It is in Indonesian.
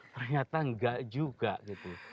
ternyata nggak juga gitu